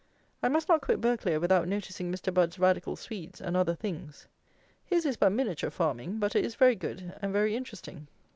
I must not quit Burghclere without noticing Mr. Budd's radical Swedes and other things. His is but miniature farming; but it is very good, and very interesting.